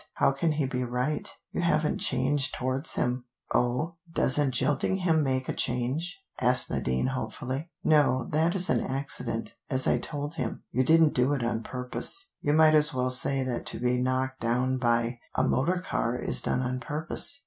"How can he be right? You haven't changed towards him." "Oh, doesn't jilting him make a change?" asked Nadine hopefully. "No, that is an accident, as I told him. You didn't do it on purpose. You might as well say that to be knocked down by a motor car is done on purpose.